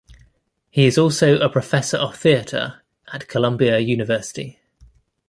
He is also a professor of theater at Columbia University.